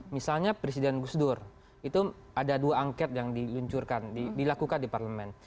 misalnya presiden gus dur itu ada dua angket yang diluncurkan dilakukan di parlemen